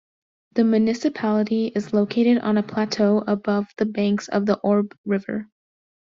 The municipality is located on a plateau above the banks of the Orbe river.